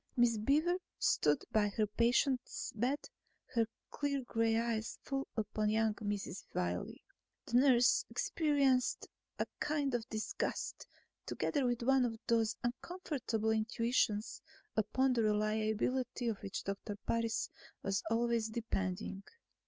Miss Beaver stood by her patient's bed, her clear gray eyes full upon young Mrs. Wiley. The nurse experienced a kind of disgust, together with one of those uncomfortable intuitions upon the reliability of which Doctor Parris was always depending.